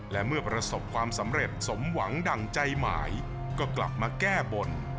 และเมื่อประสบความสำเร็จสมหวังดั่งใจหมายก็กลับมาแก้บน